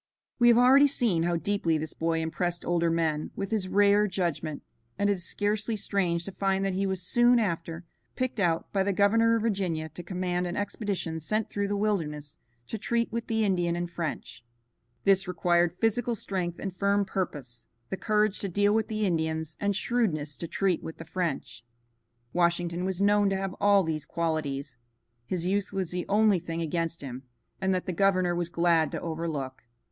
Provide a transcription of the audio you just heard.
We have already seen how deeply this boy impressed older men with his rare judgment, and it is scarcely strange to find that he was soon after picked out by the governor of Virginia to command an expedition sent through the wilderness to treat with the Indians and French. This required physical strength and firm purpose, the courage to deal with the Indians and shrewdness to treat with the French. Washington was known to have all these qualities. His youth was the only thing against him, and that the governor was glad to overlook.